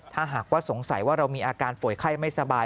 ถ้าหากว่าสงสัยว่าเรามีอาการป่วยไข้ไม่สบาย